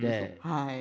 はい。